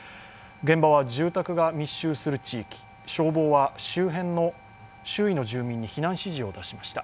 現場は住宅が密集する地域、消防は周囲の住民に避難指示を出しました。